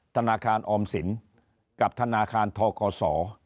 ธนาคารออมสินกับธนาคารทกศ